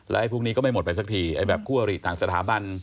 และพวกนี้ก็ไม่หมดไปสักทีแบบครัวหรี่ต่างสถาบัน